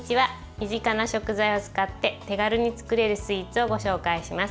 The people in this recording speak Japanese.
身近な食材を使って手軽に作れるスイーツをご紹介します。